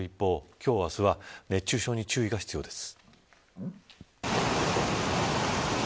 今日、明日は熱中症に注意が必要です。